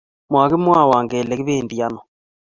makimwowon kele kibendii ano